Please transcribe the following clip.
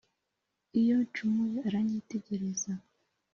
iyo ncumuye uranyitegereza